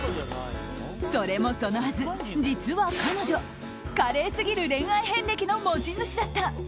それもそのはず、実は彼女華麗すぎる恋愛遍歴の持ち主だった。